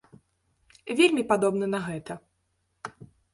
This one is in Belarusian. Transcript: Вельмі падобна на гэта.